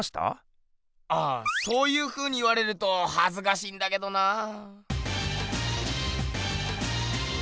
あそういうふうに言われるとはずかしいんだけどなあ。